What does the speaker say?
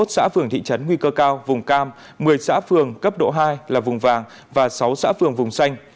hai mươi xã phường thị trấn nguy cơ cao vùng cam một mươi xã phường cấp độ hai là vùng vàng và sáu xã phường vùng xanh